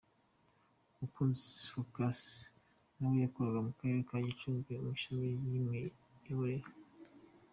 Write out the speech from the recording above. Mukunzi Phocas nawe yakoraga mu karere ka Gicumbi mu ishami ry’imiyoborere.